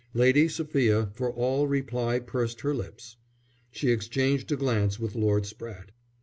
Lady Sophia for all reply pursed her lips. She exchanged a glance with Lord Spratte.